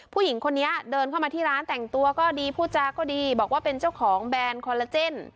ผู้หญิงคนนี้เดินเข้ามาที่ร้านแต่งตัวก็ดีพูดจาก็ดีบอกว่าเป็นเจ้าของแบรนด์คอลลาเจน